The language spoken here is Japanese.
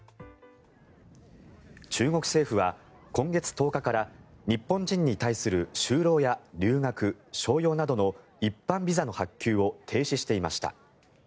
中国政府は今月１０日から日本人に対する就労や留学、商用などの一般ビザの発給を停止していました。